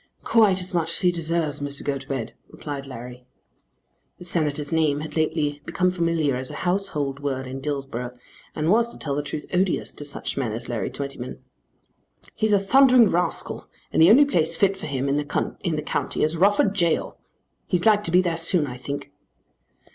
"Quite as much as he deserves, Mr. Gotobed," replied Larry. The Senator's name had lately become familiar as a household word in Dillsborough, and was, to tell the truth, odious to such men as Larry Twentyman. "He's a thundering rascal, and the only place fit for him in the county is Rufford gaol. He's like to be there soon, I think."